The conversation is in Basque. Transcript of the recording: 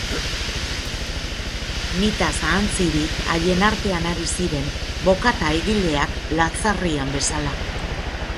Nitaz ahantzirik, haien artean ari ziren, bokata-egileak latsarrian bezala.